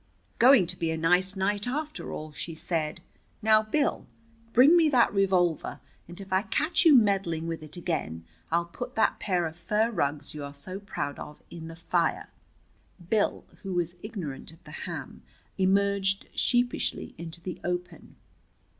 "Going to be a nice night, after all," she said. "Now, Bill, bring me that revolver, and if I catch you meddling with it again I'll put that pair of fur rugs you are so proud of in the fire." Bill, who was ignorant of the ham, emerged sheepishly into the open.